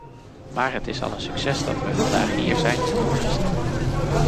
Maar het is al een succes dat we vandaag hier zijn en morgen stemmen.